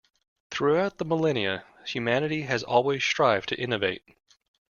Throughout the millenia, humanity has always strived to innovate.